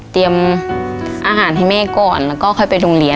เตรียมอาหารให้เม่ก่อนแล้วก็ค่อยไปลุงเรียน